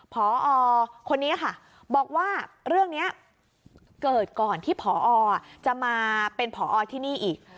พอโรงเรียนคนนี้ค่ะบอกว่าเรื่องนี้เกิดก่อนที่พอโรงเรียนจะมาเป็นพอโรงเรียนที่นี่อีก